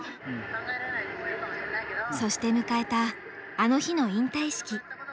そして迎えたあの日の引退式。